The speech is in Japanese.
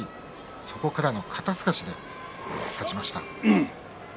そこからの肩すかしで勝ちました。